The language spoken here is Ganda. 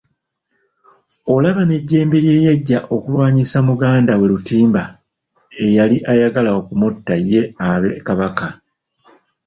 Olaba n'ejjembe lye yaggya okulwanyisa muganda we Lutimba eyali ayagala okumutta ye abe kabaka..